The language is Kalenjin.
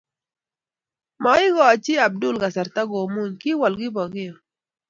Moikochini Abdul kasarta komuny, kiwol Kipokeo